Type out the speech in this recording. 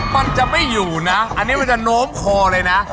มันจะไม่อยู่นะอันนี้มันจะโน้มคอเลยนะ